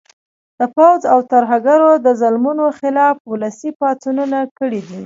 د پوځ او ترهګرو د ظلمونو خلاف ولسي پاڅونونه کړي دي